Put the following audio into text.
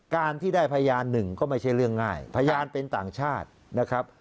การที่ได้พยานหนึ่งก็ไม่ใช่เรื่องง่ายพยานเป็นต่างชาตินะครับ